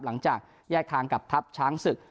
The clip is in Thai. หลังจากแยกทางกับทัพช้างศึก